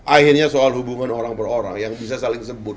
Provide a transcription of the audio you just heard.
akhirnya soal hubungan orang per orang yang bisa saling sebut